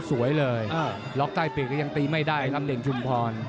สวยเลยล็อกใต้ปีกก็ยังตีไม่ได้ครับเหลี่ยชุมพร